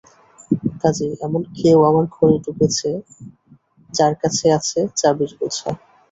কাজেই এমন কেউ আমার ঘরে ঢুকেছে যার কাছে আছে চাবির গোছা।